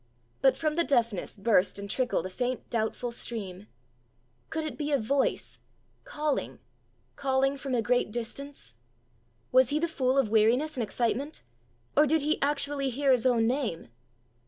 But from the deafness burst and trickled a faint doubtful stream: could it be a voice, calling, calling, from a great distance? Was he the fool of weariness and excitement, or did he actually hear his own name?